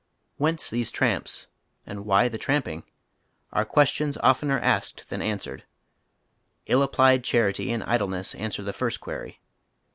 Whence these tramps, and why the tramping ? are questions oftener asked than answered. Ill applied char ity and idleness answer the first query.